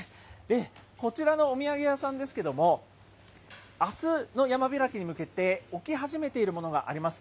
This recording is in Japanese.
こちらのお土産屋さんですけれども、あすの山開きに向けて、置き始めているものがあります。